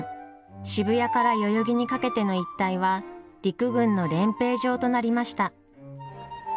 渋谷から代々木にかけての一帯は陸軍の練兵場となりました。